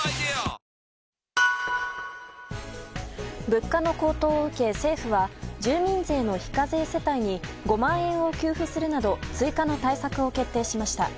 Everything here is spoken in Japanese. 物価の高騰を受け、政府は住民税の非課税世帯に５万円を給付するなど追加の対策を決定しました。